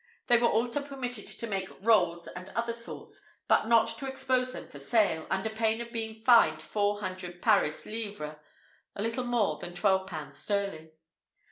They were also permitted to make "rolls and other sorts," but not to expose them for sale "under pain of being fined four hundred Paris livres (a little more than twelve pounds sterling)."